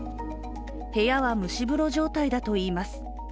部屋は蒸し風呂状態だといいます。